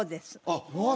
あっ